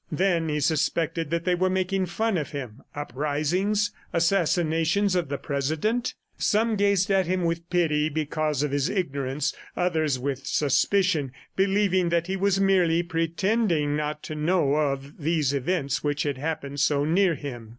Then he suspected that they were making fun of him. Uprisings? Assassinations of the President? ... Some gazed at him with pity because of his ignorance, others with suspicion, believing that he was merely pretending not to know of these events which had happened so near him.